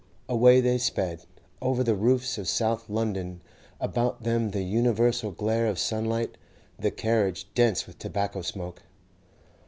Away they sped, over the roofs of South London, about them the universal glare of sunlight, the carriage dense with tobacco smoke.